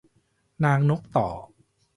นางนกต่อ